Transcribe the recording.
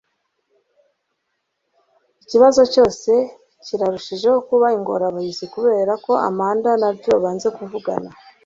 Ikibazo cyose kirarushijeho kuba ingorabahizi kubera ko Amanda na Jo banze kuvugana